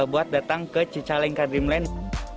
buat datang ke cicalengka dreamland